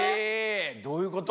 どういうこと？